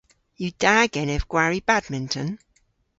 Yw da genev gwari badminton?